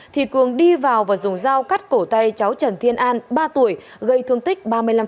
thì cường đi vào và dùng dao cắt cổ tay cháu trần thiên an ba tuổi gây thương tích ba mươi năm